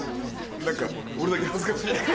何か俺だけ恥ずかしい。